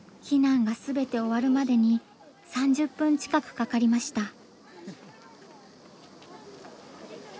避難が全て終わるまでに３０分近くかかりました。